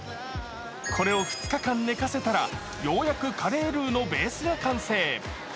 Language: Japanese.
これを２日間寝かせたらようやくカレールーのベースが完成。